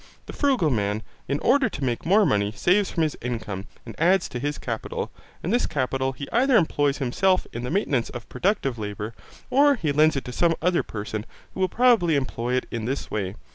The frugal man in order to make more money saves from his income and adds to his capital, and this capital he either employs himself in the maintenance of productive labour, or he lends it to some other person who will probably employ it in this way.